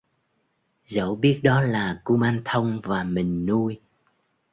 Dẫu biết đó là kumanthong và mình nuôi